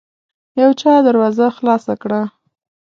يو چا دروازه خلاصه کړه.